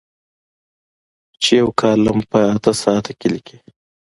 چې یو کالم په اته ساعته کې لیکي.